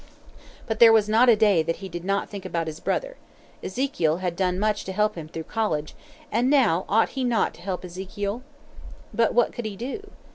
But there was not a day that he did not think about his brother. Ezekiel had done much to help him through college, and now ought he not to help Ezekiel? But what could he do?